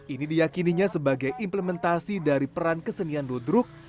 ini diakininya sebagai implementasi dari peran kesenian ludruk